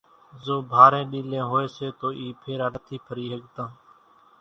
زو ڀارين ڏيلين ھوئي سي تو اِي ڦيرا نٿي ڦري ۿڳتان،